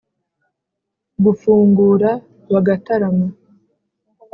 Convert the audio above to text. gufungura bagatarama.